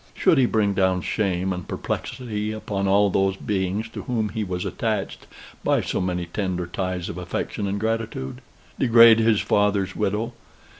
Should he bring down shame and perplexity upon all those beings to whom he was attached by so many tender ties of affection and gratitude? degrade his father's widow?